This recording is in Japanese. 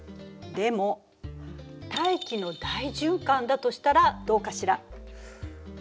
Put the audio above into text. でも大気の大循環だとしたらどうかしら？